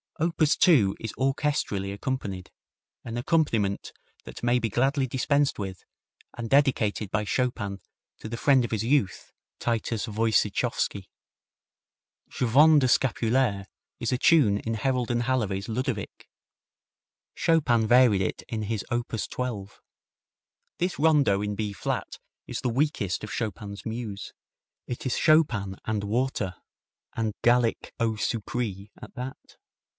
Op. 2 is orchestrally accompanied, an accompaniment that may be gladly dispensed with, and dedicated by Chopin to the friend of his youth, Titus Woyciechowski. Je Vends des Scapulaires is a tune in Herold and Halevy's "Ludovic." Chopin varied it in his op. 12. This rondo in B flat is the weakest of Chopin's muse. It is Chopin and water, and Gallic eau sucree at that.